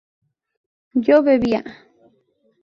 ¿yo bebía?